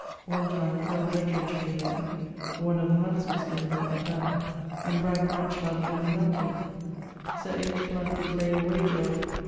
One time colonel Betridge being there (one of the handsomest men about the towne) and bragged much how the woemen loved him; Sir H. Blount did lay a wager of